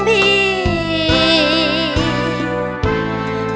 เพราะเธอชอบเมือง